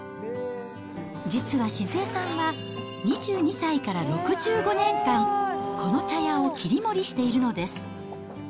実は静恵さんは、２２歳から６５年間、この茶屋を切り盛りしているのです。